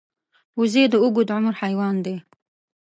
وزې د اوږد عمر حیوان دی